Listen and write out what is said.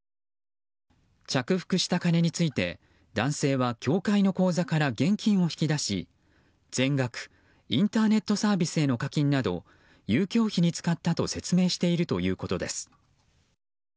着服した金について、男性は協会の口座から現金を引き出し全額インターネットサービスへの課金など遊興費に使ったと説明しているということです。